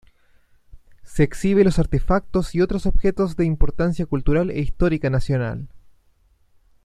Se exhibe los artefactos y otros objetos de importancia cultural e histórica nacional.